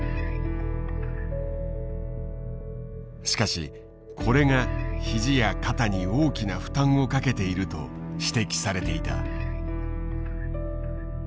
しかしこれが肘や肩に大きな負担をかけていると指摘されていた。